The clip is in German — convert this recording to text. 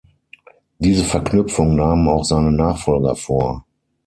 Diese Verknüpfung nahmen auch seine Nachfolger vor.